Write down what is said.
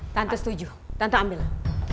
tante setuju tante ambillah